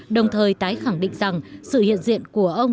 đồng thời tái khẳng định rằng sự hiện diện của ông